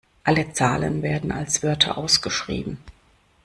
Alle Zahlen werden als Wörter ausgeschrieben.